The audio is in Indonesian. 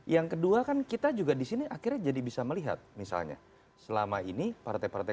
yang kedua kan kita juga disini akhirnya jadi bisa melihat misalnya selama ini partai partai